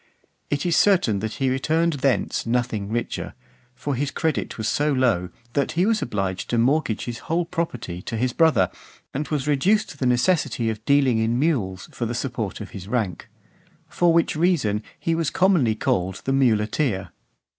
It is certain that he returned thence nothing richer; for his credit was so low, that he was obliged to mortgage his whole property to his brother, and was reduced to the necessity of dealing in mules, for the support of his rank; for which reason he was commonly called "the Muleteer."